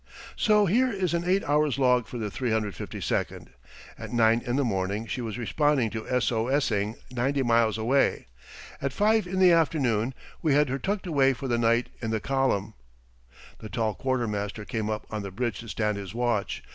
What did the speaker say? So here is an eight hours' log for the 352: At nine in the morning she was responding to S O S ing ninety miles away; at five in the afternoon we had her tucked away for the night in the column. The tall quartermaster came up on the bridge to stand his watch.